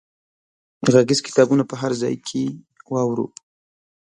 غږیز کتابونه په هر ځای کې واورو.